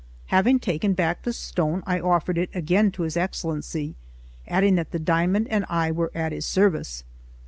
Having taken back the stone, I offered it again to his Excellency, adding that the diamond and I were at his service.